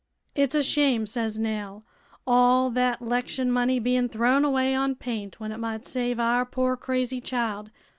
'It's a shame,' says Nell, 'all thet 'lection money bein' thrown away on paint when it might save our poor crazy child.'